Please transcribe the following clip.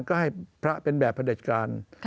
ก็ให้พระเป็นแบบอภเดชกาล